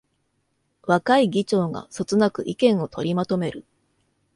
若い議長がそつなく意見を取りまとめる